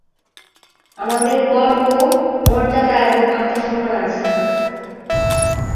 আমাদের গর্ব, মর্যাদা এবং আত্মসম্মান আছে!